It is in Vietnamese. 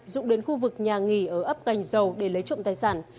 dũng đến khu vực nhà nghỉ ở ấp cành dầu để lấy trộm tài sản